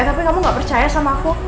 tapi kamu gak percaya sama aku